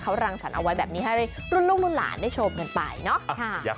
เขารังสรรค์เอาไว้แบบนี้ให้รุ่นลูกรุ่นหลานได้ชมกันไปเนาะ